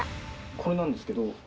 これなんですけど。